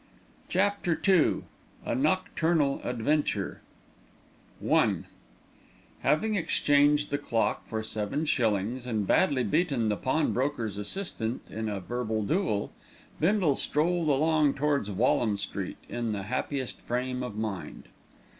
CHAPTER II A NOCTURNAL ADVENTURE I Having exchanged the clock for seven shillings and badly beaten the pawnbroker's assistant in a verbal duel, Bindle strolled along towards Walham Green in the happiest frame of mind.